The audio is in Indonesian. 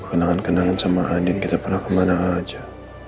kenangan kenangan sama andin kita pernah ke mana aja